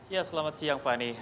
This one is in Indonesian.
ya selamat siang fani